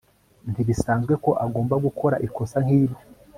Ntibisanzwe ko agomba gukora ikosa nkiryo